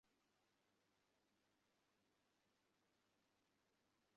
বৈকালেও খেলা আরম্ভ হইল, আর সকলেই আসিল-অমলা নাই।